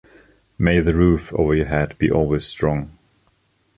May the roof over your head be always strong.